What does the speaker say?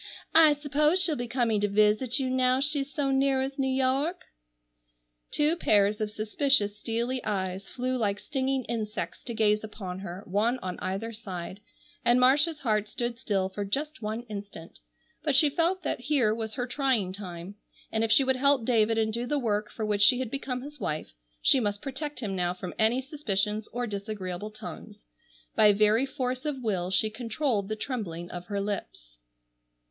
I suppose she'll be coming to visit you now she's so near as New York." Two pairs of suspicious steely eyes flew like stinging insects to gaze upon her, one on either side, and Marcia's heart stood still for just one instant, but she felt that here was her trying time, and if she would help David and do the work for which she had become his wife, she must protect him now from any suspicions or disagreeable tongues. By very force of will she controlled the trembling of her lips.